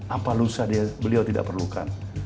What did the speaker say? apa lusa beliau tidak perlukan